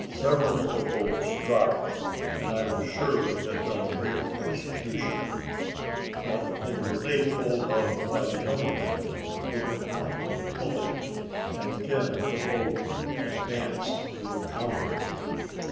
Several of the oars dropped, and I was sure we had done great execution; but they were laid hold of by the other men, who had not been pulling, and again the boat advanced to the counter.